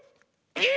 えっ⁉